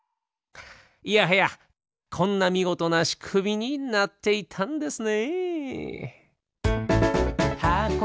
いやはやこんなみごとなしくみになっていたんですね。